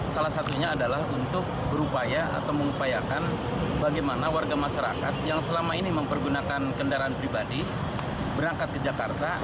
salah satunya adalah untuk berupaya atau mengupayakan bagaimana warga masyarakat yang selama ini mempergunakan kendaraan pribadi berangkat ke jakarta